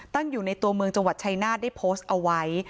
อยู่ในตัวเมืองจังหวัดชายนาฏได้โพสต์เอาไว้